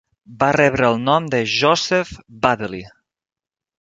Va rebre el nom de Joseph Baddeley.